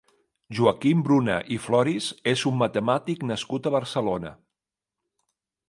Joaquim Bruna i Floris és un matemàtic nascut a Barcelona.